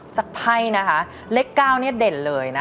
ไพ่นะคะเลข๙เนี่ยเด่นเลยนะคะ